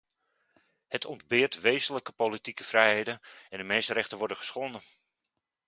Het ontbeert wezenlijke politieke vrijheden en de mensenrechten worden geschonden.